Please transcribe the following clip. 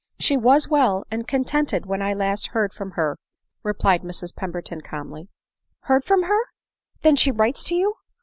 " She was well and contented when I last heard from her," replied Mrs Pemberton calmly. " Heard from her ?" Then she writes to you